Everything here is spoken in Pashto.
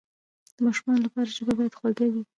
د ماشومانو لپاره ژبه باید خوږه وي.